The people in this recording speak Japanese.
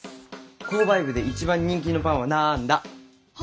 購買部で一番人気のパンはなんだ？は？